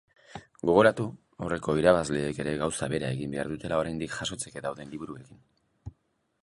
Gogoratu aurreko irabazleek ere gauza bera egin behar dutela oraindik jasotzeke dauden liburuekin.